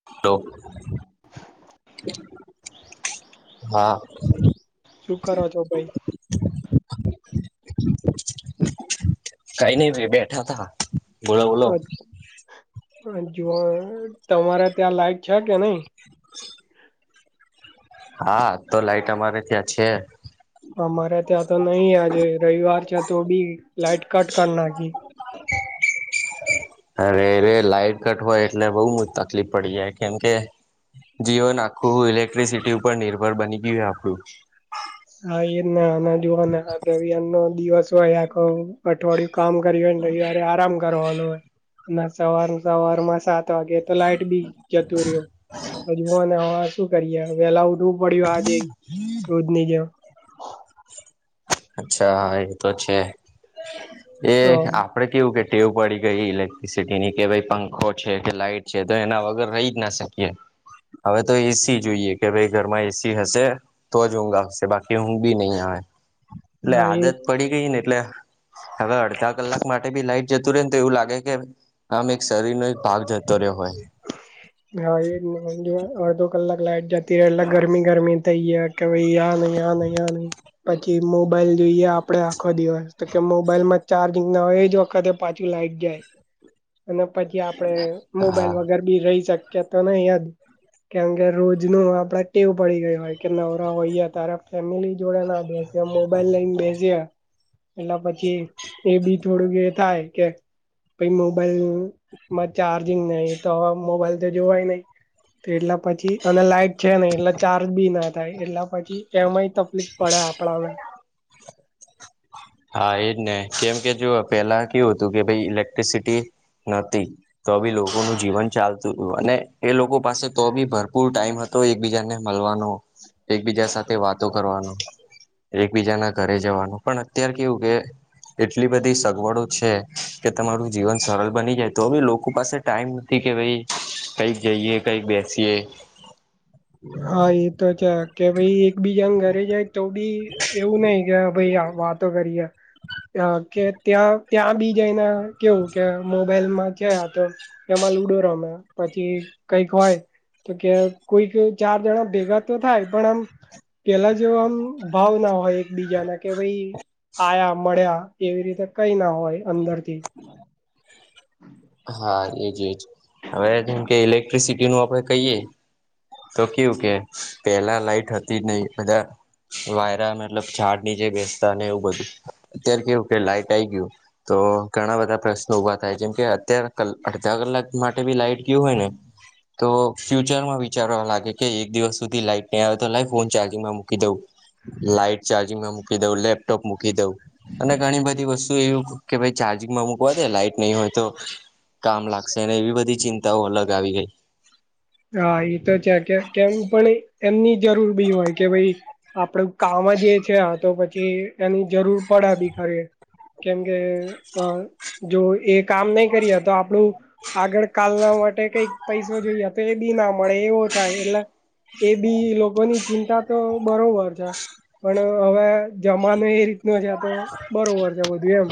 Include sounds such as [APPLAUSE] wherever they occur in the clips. [UNINTELLIGIBLE] શું કરો [UNINTELLIGIBLE] [INAUDIBLE] કઈ નહી ભાઈ બેઠા થા જો તમારે ત્યાં લાયક છેકે, નઈ [INAUDIBLE] હા તો લાઈટ અમારે ત્યાં છે અમારે ત્યાં તો નહીિ આજે રવિવાર છે, તો બી લાાઈટ કટ કર નાખી [INAUDIBLE] અરે રે લાઈટ કટ હોય એટલે બઉ તકલીફ પડી જાય કેમ કે જીઓન આખું ઇલેક્ટ્રિસિટી ઉપર નિર્ભર બની ગયું આપણું હા એ જ નાના જોવાનો દિવસ હોય આખો અઠવાડયું કામ કર્યું હોય ને રવિવારે આરામ કરવાનું હોય અને સવાર સવારમાં સાત કે તો લાઈટ બી જતુ, રહ્યો હજુને શું કરીએ વેલા ઉઠવુ પડ્યું આજે રોજની જેમ અચ્છા એ તો છે એ હ આપણે કેવું કે ટેવ પડી ગઈ ઇલેક્ટ્રિસિટીની કે ભાઈ પંખો છે કે લાઈટ છે તો એના વગર રહી જ ના શકે. હવે તો એસી જોઈએ કે ભાઈ ઘરમાં એસી હશે, તો જ ઊંઘ આવશે બાકી ઊઘ બી નહી આવે એટલે હા એ આદત પડી ગઈ ને એટલે હવે અડધા કલાક માટે બી લાઈટ જતું રહે ને તો એવું લાગે કે આમ એક શરીરનો એક ભાગ જતો રહ્યો હોય. હા એ અડધો કલાક લાઈટ જતી રહે એટલે ગરમી ગરમી થઇ જાય. કે ભાઈ આ નહી, આ નહી, આ નહી. પછી મોબાઈલ જોઈએ આપડે આખો દિવસ તો કે મોબાઈલમાં ચાર્જિંગ ના હોય એજ વખતે પાછું લાઈટ જાય. [INAUDIBLE] અને પછી આપડે હા મોબાઈલ વગર બી રહી શકીએ તો નહી યાર કેમ કે રોજનુ આપડે ટેવ પડી ગયું હોય કે નવરા હોઈએ તારા ફેમિલી જોડા ના બેસે, મોબાઈલ લઇને બેસયા એટલે પછી એ બી થોડુક એ થાય કે પછી [INAUDIBLE] મ ચાર્જિંગ નહી તો મોબાઈલ જોવાય નહી. એટલા પછી અને લાઈટ છે, નઈ એટલે ચાર્જ બી ના થાય એટલા પછી એમાંય તકલીફ પડે આપણા હા એજ ને કેમ કે જો પેલા કેવું હતું કે ભાઈ ઇલેક્ટ્રિસિટી નથી તો બી લોકોનું જીવન ચાલતું હતું અને એ લોકો પાસે તો ભી ભરપૂર ટાઈમ તો એકબીજાને મળવાનો, એકબીજા સાથે વાતો કરવાનો, એકબીજાના ઘરે જવાનું પણ અત્યારે કેવું કે એટલી બધી સગવડો છેકે, તમારુ જીવન સરળ બની જાય તો ભી લોકો પાસે ટાઈમ નથી કે ભાઈ કંઈક જઈએ, કઈક બેસીએ, હા એ તો છે કે ભાઈ એક બીજાને ઘરે જાય. તો બી એવું નહી કે ભાઈ વાતો કરીએ, કે ત્યાં ત્યાં બી જઈને કેવુ કે મોબાઈલમા છે, તો એમાં લુડો રમે પછી કઈક હોય તો કે કોઈ કે ચાર જણા ભેગા તો થાય પણ આમ પેલા જેવા આમ ભાવ ના હોય એકબીજાના કે ભાઈ આયા મળ્યા એવી રીતે કઈ ના હોય અંદરથી. હા એજ એજ. હવે જેમ કે ઇલેક્ટ્રિસિટીનું આપડે કહીએ, તો કેવું કે પેલા લાઈટ હતી નહી, બધા વાયરા મતલબ ઝાડ નીચે બેસતા એવું બધું અત્યારે કેવું કે લાઈટ આઈ ગયું. તો ઘણા બધા પ્રશ્નો ઊભા થાય જેમ કે અત્યાર અડધા કલાક માટે બી લાઈટ ગયું હોય ને, તો ફ્યુચરમાં ભી વિચારવા લાગે કે એક દિવસ સુધી લાઈટ નહી આવે તો લાય ફોન ચાજિંગ માં મૂકી દઉ. લાઈટ ચાર્જિંગમાં મૂકી દઉં, લેપટોપ મૂકી દઉં, અને ઘણી બધી વસ્તુ એવી કે ભાઈ ચાર્જિંગમાં મુૂકવા દે લાઈટ નહીં હોય તો, કામ લાગશે એવી બધી ચિંતાઓ અલગ આવી ગઈ. હા એ તો છે કે કેમ પણ એમની જરૂર બી હોય કે ભાઈ આપડું કામ જે છે આ તો પછી એની જરૂર પડે ભી ખરી. કેમ કે અ જો એ કામ નહી કરે તો આપડું આગળ કાલના માટે કઈક પૈસો જોઈએ તો એ બી ના મળે એવો થાય એટલે એ બી લોકોની ચિંતા તો બરોબર છે. પણ હવે જમાનો એ રીતનો છે આ તો બરોબર છે બધું એમ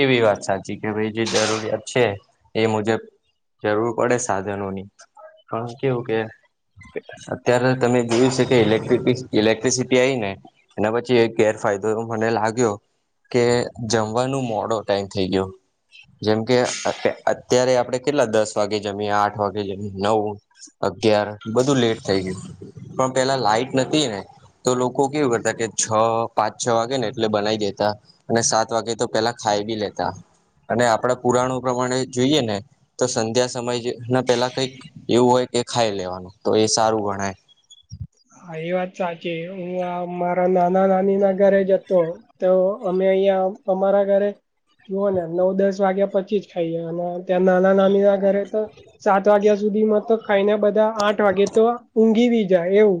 એવી વાત સાચી કે ભાઈ જે જરૂરિયાત છે એ મુજબ જરૂર પડે સાધનોની પણ કેવું કે? અત્યારે તમે જોયું છે કે ઇલેક્ટ્ર ઇલેક્ટ્રિસિટી આવી ને એના પછી એક ગેરફાયદો મને લાગ્યો કે જમવાનું મોડો ટાઈમ થઈ ગયો. જેમકે અત્યારે આપણે કેટલા દસ વાગે જમીએ આઠ વાગે જમીએ નવ અગિયાર બધું લેટ થઈ ગયું પણ પેલા લાાઈટ નથી ને તો લોકો કેવું કરતા કે છ પાંચ છ વાગે ને એટલે બનાવી દેતા અને સાત વાગે તો પેલા ખાઈ ભી લેતા. અને આપડા પુરાણો પ્રમાણે જોઈએ ને તો સંધ્યા સમય ના પેલા કઈક એવું હોય કે ખાઈ લેવાનું તો એ સારું ગણાય. હા એ વાત સાચી હું આ મારા નાના નાની ના ઘરે જતો. તો અમે અહિયાં અમારા ઘરે જુઓ ને નવ દસ વાગ્યા પછી જ ખાઈએ અને ત્યાં નાના નાની ના ઘરે તો સાત વાગ્યા સુધીમાં તો ખાઈને બધા આઠ વાગે તો ઊંઘીબી જાય એવું.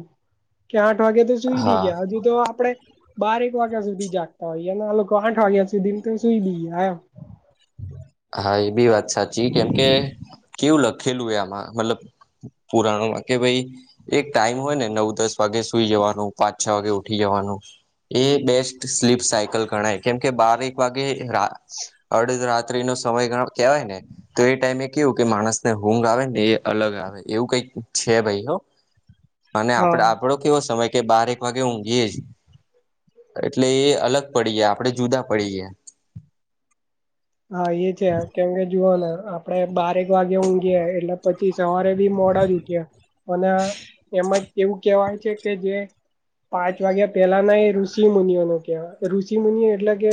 કે આઠ વાગે તો સુઈ બી હા ગયા હજુ તો આપડે બારેક વાગ્યા સુધી જાગતા હોઈએ અનેને આ લોકો આઠ વાગ્યા સુધી તો સુઈ બી‌ જાય. હા એ બી વાત સાચી કેમ કે, કેવું લખેલું એમાં મતલબ પુરાણોમાં કે ભાઈ એક ટાઈમ હોય ને નવ દસ વાગે સુઈ જવાનું પાંચ છ વાગે ઉઠી જવાનું એ બેસ્ટ સ્લીપ સાયકલ ગણાય કેમકે બારક વાગે રા [UNINTELLIGIBLE] અડધ રાત્રી નો સમય ગણો કહેવાય ને તો એ ટાઈમે કેવું કે માણસ ને ઊંઘ આવે ને એ અલગ આવે એવું કઈક છે ભાઈ હો. [INAUDIBLE] અને આપડ હા આપડો કેવો સમય કે બારેક વાગે ઊંઘી એ જ એટલે એ અલગ પડી ગયા આપણે જુદા પડી ગયા. હા એ છે કેમ કે જુઓને આપડે બારેક વાગે ઊંઘી એટલે પછી સવારે બી મોડા જ ઉઠ્યા અને એમાં એવું કહેવાય છે કે જે, પાંચ વાગ્યા પેલાના એ ઋષિ મુુનિઓનુ કેવાય ઋષિ મુુનિ એટલે કે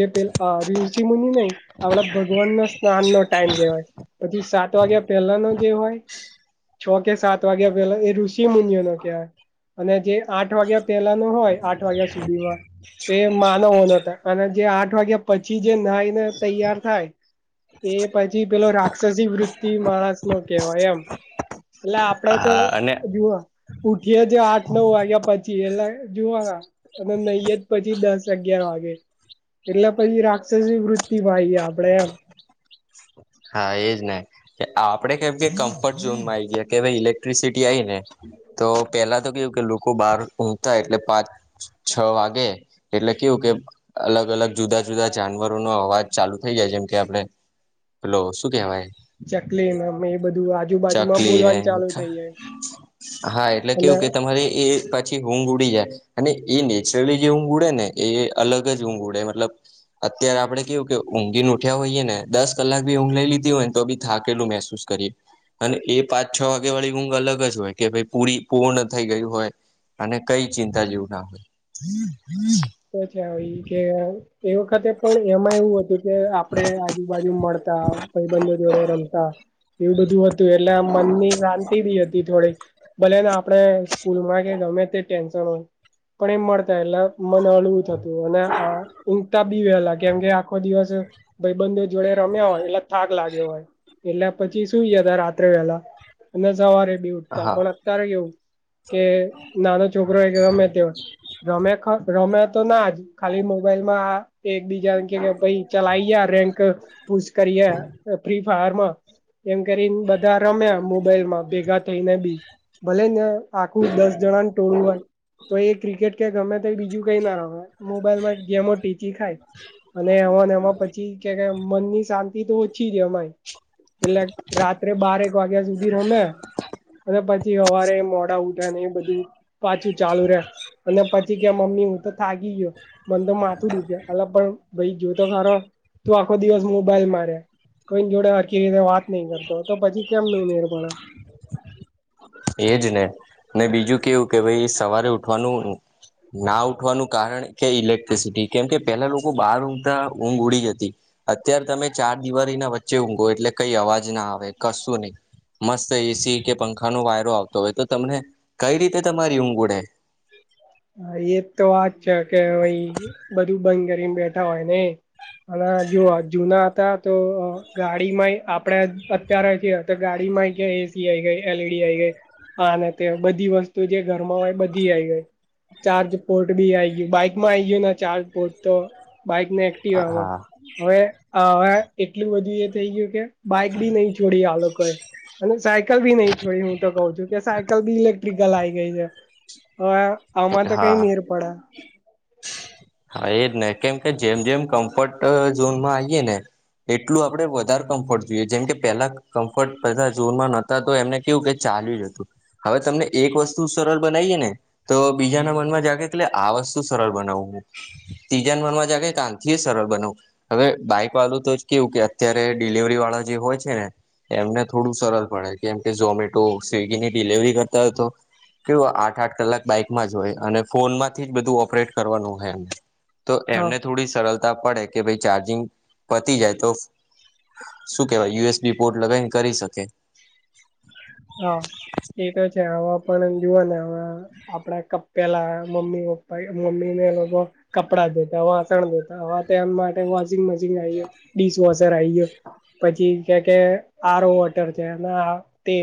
જે પેલ એ ઋષિ મુ આપડા ભગવાન ન સ્નાન નો ટાઈમ કેવાય પછી સાત વાગ્યા પહેલા ન જે હોય છ કે સાત વાગ્યા પેલા એ ઋષિ મુનિઓનો કહેવાય. અને જે આઠ વાગ્યા પેલા ન હોય આઠ વાગ્યા સુધીમાં તે માનવો નતા અને જે આઠ વાગ્યા પછી જે નાાઈ ને તૈયાર થાય એ પછી પેલો રાક્ષસી વૃતિ માણસ નો કેવાય એમ. એટલે આપડે તો હા અને જુઓ ઉઠીએ છે આઠ નવ વાગ્યા પછી એટલા જોવા અને નહી પછી દસ અગિયાર વાગે એટલે પછી રાક્ષસી વૃતિ માં આઈએ આપડે એમ. હા એ જ ને. આપડે કેમ કે કમ્ફર્ટઝોનમાં આવી ગયા કે ભાઈ ઇલેક્ટ્રિસિટી આવી ને તો પેલા તો કેવું કે લોકો બાર ઊંઘતા એટલે પાંચ છ વાગે એટલે કેવું કે અલગ અલગ જુદા જુદા જાનવરો નો અવાજ ચાલુ થઇ જાય જેમ કે આપડણે હલો શું કેવાય? ચકલી એ બધું આજુબાજુમાં ચકલી ને બોલવાનું ચાલુ થઇ જાય. હા એટલે કેવું અને કે તમારે એ પછી ઊંઘ ઉડી જાય અને એ નેચરલી જે ઊંઘ ઉડે ને એ અલગ જ ઊંઘ ઉડે મતલબ અત્યારે આપડે કેવું કે ઊંઘીને ઉઠ્યા હોઈયએ ને દસ કલાક ભી ઊઘલાઈ લીધી હોય તો ભી થા કેટલું મહેસૂસ કરીએ. અને એ પાંચ છ વાગ્યા વાળી ઊંઘ અલગ જ હોય કે ભાઈ પૂરી પૂર્ણ થઈ ગયું હોય. અને કઈ ચિંતા જેવું ના હોય. તોછ હો કે એ વખતે પણ એમાં એવું હતું કે આપણે આજુબાજુ મળતા ભાઈબંધો જોડે રમતા. એવું બધું હતું એટલે આ મનની શાંતિ બી હતી થોડીક. ભલેને આપણે સ્કૂલ માં કે ગમે તે ટેન્શન હોય પણ એમ મળતા એટલે મને હળવું થતું અને આ ઊંઘતા બી વલા કેમકે આખો દિવસ ભાઈ બંધો જોડે રમ્યા હોય એટલે થાક લાગ્યો હોય એટલે પછી સુ ગયા ત રાત્રે વહેલા. અને સવારે બી હોય હા પણ અત્યારે એવું કે નાનો છોકરો કે રમે તે રમે ખ રમ્યા તો ના જ ખાલી મોબાઈલ માં એકબીજા ને કે ભાઈ ચલાઈ ગયા રેન્ક પૂછ કરીએ ફ્રી ફાયરમાં. એમ કરીને બધા રમ્યા મોબાઈલ માં ભેગા થઈને બી. ભલે ને આખું દસ જણાને ટોળું હોય તો એ ક્રિકેટ કે ગમે તો બીજું કઈ ના રમે. મોબાઈલ માં ગેમો ટીચી ખાય અને એને એમાં પછી કે મનની શાંતિ તો ઓછી છે અમાય એટલે રાત્રે બારેક વાગ્યા સુધી રમે અને પછી અવારે મોડા ઉધ એ બધું પાછું ચાલુ રે અને પછી મમ્મી હું તો થાગી ગયો મને તો માથું દુખ અલગ પણ ભાઈ ગયો તો ખરો આખો દિવસ મોબાઈલ માર્યા કોઈ જોડે હખી રીતે વાત નહી કરતો તો પછી કેમ ન ઉમેર પડે. એજ ને ને બીજું કેવું કે ભાઈ સવારે ઉઠવાનું ના ઉઠવાનું કારણ કે ઇલેક્ટ્રિસિટી કેમ કે પેલા લોકો બહાર ઊંઘા ઊંઘ ઉડી જતી. અત્યારે તમે ચાર દિવાળીના વચ્ચે ઊંઘો એટલે કઈ અવાજ ના આવે કસરત નઈ મસ્ત એસી કે પંખા ન વાયર આવતો હોય તો તમને કઈ રીતે તમારી ઊંઘ ઉડે. હા એ તો વાત છે કે ભાઈ બધું ભંધ કરીને બેઠા હોય ને અને જો જુના હતા તો ગાડીમાંય આપડે અત્યારે તો ગાડી માં ક્યા એસી આ આવી ગઈ એલઈડી આ આવી ગઈ. હા અને તે બધી વસ્તુ જે ઘર માં હોય બધી આવી જાય. ચાર્જ પોર્ટ બી આ ગયું બાઈક માં આ આવી ગયું ચાર્જ પોર્ટ તો. બાઈકને હા એક્ટવામાં હવે હવે એટલું બધું એ થઈ ગયું કે બાઈક બી નહી છોડી આ લોકોએ. અને સાયકલ બી નહી છોડી હુતો કઉ છુ, કે સાયકલ બી ઇલેક્ટ્રિકલ આવી ગઈ છે. હ હા [INAUDIBLE] હા એજ ને કેમ કે જેમ જેમ કમ્ફર્ટ ઝોનમાં આવીયે ને એટલું આપડે વધારે કમ્ફર્ટ જોઈએ જેમ કે પેલા કમ્ફર્ટ બધા ઝનમાં નથી તો એમને કેવુ કે ચાલ્યું જ હતુ, હવે તમને એક વસ્તુ સરળ બનાવીએ ને તો બીજાના મનમાં જાગે કેટલે આ વસ્તુ સરળ બનાવું હું ત્રીજાને મનવા જાગે તથી સરળ બનવ હવે બાઈક વાળું તો જ કેવું કે અત્યારે ડિલવરી વાળા જે હોય છે ને એમને થોડું સરળ પડે કેમ કે ઝોમેટો સ્વિગીની ડિલવરી કરતા હોય તો કેવ આઠ આઠ કલાક બાઈકમાં જ જોય અને ફોન માંથી જ બધું ઓપરેટ કરવાનું હોય એને તો હા એમને થોડી સરળ પડે કે ભાઈ ચાર્જિંગ પતી જાય તો શું કેવાય યુએસ બી પોર્ટ લગાવને કરી શકે હા એ તો છે આવા પણ જોુવા ને હ આપડા પેલા મમ્મી પપ્પા મમ્મી ને લોકો કપડા દેતા વાસણ દેતા હ માટે વોશિંગ મશીન આયો ડિશ વોશર આ ગયો પછી કે કે આરો વોટર છે તે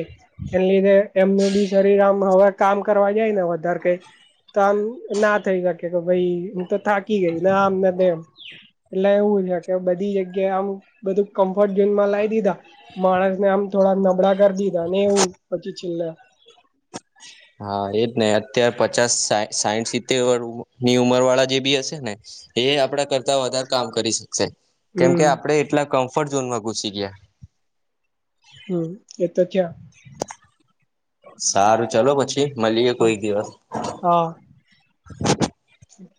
એને લીધે એમનુ બી શરીર આમ હવે કામ કરવા જાય ને વધારે કઈ તો આમ ના થઈ શકે કે ભાઈ હુ, તો થાકી ગઈને આમનેમ એટલે એવું છે કે બધી જગ્યાએ આમ બધું કમ્ફર્ટ ઝોન માં લઈ દીધા માણસ ને આમ થોડા નબળા કરી દીધા ને એવું પછી છેલ્લે હા એજ હ અતાર પચાસ સા સાઈઠ સિત્તેરર ની ઉંમર વાળા જે બી હશે ને એ આપડા કરતા વધારે કામ કરી શકશે હમ કેમકે આપડે એટલા કમ્ફર્ટ ઝોનમાં ઘુસી ગયા હમ એ તો ક્યા સારું ચાલ પછી મળીએે કોઈક દિવસ હઠ